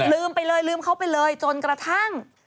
ลืมไปเลยลืมเขาไปเลยจนกระทั่ง